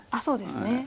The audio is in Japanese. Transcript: そうですね